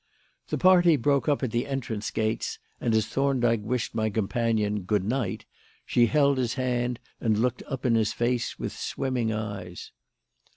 The party broke up at the entrance gates, and as Thorndyke wished my companion "Good night," she held his hand and looked up in his face with swimming eyes.